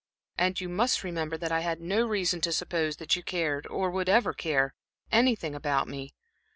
And you must remember that I had no reason to suppose that you cared, or would ever care, anything about me.